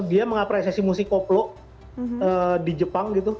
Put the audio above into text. dia mengapresiasi musik koplo di jepang gitu